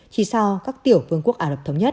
chỉ sau các tiểu vương quốc ả rập thống nhất